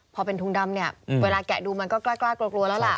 พอเป็นทุงดำเนี่ยเวลาแกะดูมันก็กล้ากลัวแล้วล่ะ